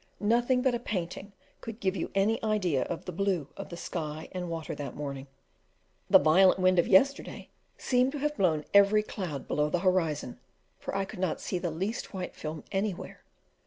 Nothing but a painting could give you any idea of the blue of sky and water that morning; the violent wind of yesterday seemed to have blown every cloud below the horizon, for I could not see the least white film anywhere.